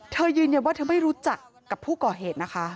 เธอยืนยันว่าเธอไม่รู้จักกับผู้ก่อเหตุนะคะ